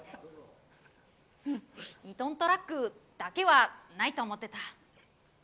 ２トントラックだけはないと思ってた。